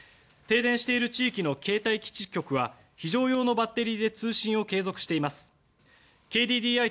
停電している地域の携帯基地局は非常用のバッテリーで通信を継続しています。